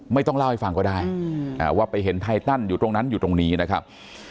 ไม่ต้องเล่าให้ฟังก็ได้ว่าไปเห็นไทตันอยู่ตรงนั้นอยู่ตรงนี้นะครับ